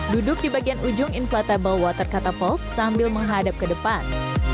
duduk di bagian ujung inflatable water catapold sambil menghadap ke depan